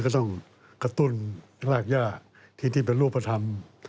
ก็ต้องกระตุ้นรากย่าที่เป็นรูปธรรม